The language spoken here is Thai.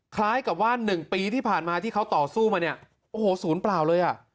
คล้ายกับว่า๑ปีที่ผ่านมาที่เขาต่อสู้มาเนี่ยโอ้โหศูนย์เปล่าเลยอ่ะ